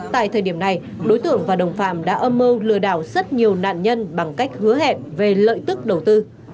tại thời điểm này đối tượng và đồng phạm đã âm mưu lừa đảo rất nhiều nạn nhân bằng cách hứa hẹn về lợi tức đầu tư